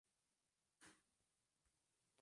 Aparece en el álbum "Help!